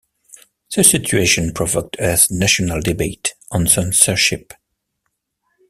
The situation provoked a national debate on censorship.